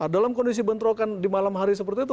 dalam kondisi bentrokan di malam hari seperti itu